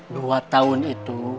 dua tahun itu